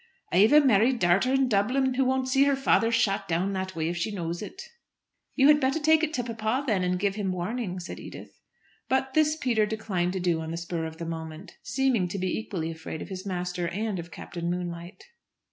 "I've a married darter in Dublin who won't see her father shot down that way if she knows it." "You had better take it to papa, then, and give him warning," said Edith. But this Peter declined to do on the spur of the moment, seeming to be equally afraid of his master and of Captain Moonlight.